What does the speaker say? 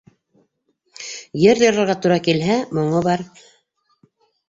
Йыр йырларға тура килһә - моңо бар.